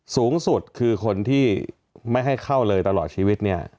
สูงสุดคือคนที่ไม่ให้เข้าเลยตลอดชีวิตเนี่ย